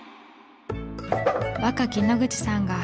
若き野口さんがえ！